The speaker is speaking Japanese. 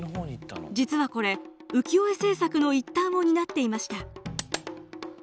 実はこれ浮世絵制作の一端を担っていました。